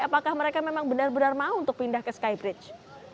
apakah mereka memang benar benar mau untuk pindah ke skybridge